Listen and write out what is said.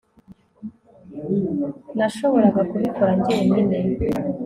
Nashoboraga kubikora njyenyine